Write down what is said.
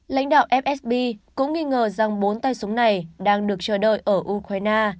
lãnh đạo fsb cũng nghi ngờ rằng bốn tay súng này đang được chờ đợi ở ukraine